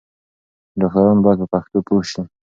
ډاکټران بايد په پښتو پوه شي.